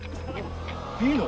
いいの？